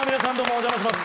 お邪魔します。